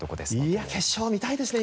いや決勝見たいですね